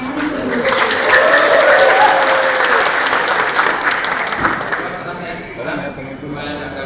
setelah itu berhubungan dengan